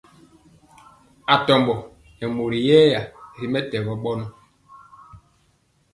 Atombo nɛ mori yɛya ri mɛtɛgɔ bɔnɔ.